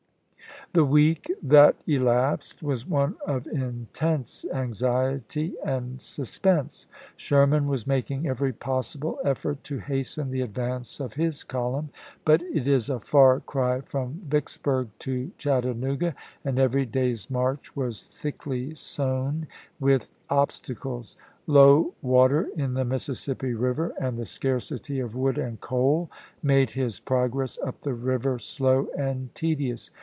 The week that elapsed was one of intense anxi ety and suspense. Sherman was making every possible effort to hasten the advance of his column, but it is a far cry from Vicksburg to Chattanooga and every day's march was thickly sown with ob stacles. Low water in the Mississippi River and the scarcity of wood and coal made his progress up the river slow and tedious.